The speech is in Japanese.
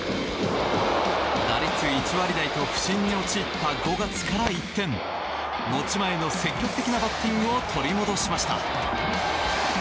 打率１割台と不振に陥った５月から一転持ち前の積極的なバッティングを取り戻しました。